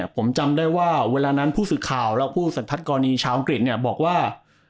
ผมจำได้ว่าเวลานั้นผู้สื่อข่าวและผู้สันทัศกรณีชาวอังกฤษบอกว่า